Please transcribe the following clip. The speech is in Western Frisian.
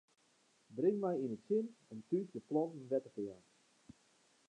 Bring my yn it sin om thús de planten wetter te jaan.